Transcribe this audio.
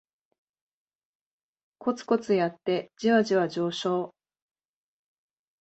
コツコツやってジワジワ上昇